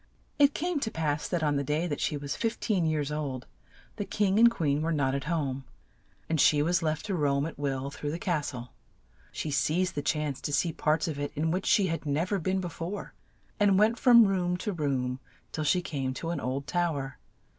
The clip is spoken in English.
It came to pass that on the day that she was fif teen years old, the king and queen were not at home, and she was left THE SLEEPING BEAUTY 83 to roam at will through the cas tle. She seized the chance to see parts of it in which she had nev er been be fore, and went from room to room till she came to an old tow er.